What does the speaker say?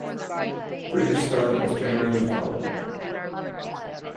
British spelling is generally followed.